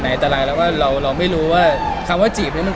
มีมีมีมีมีมีมีมีมีมีมีมีมีมีมี